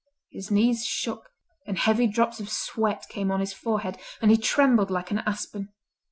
His knees shook, and heavy drops of sweat came on his forehead, and he trembled like an aspen.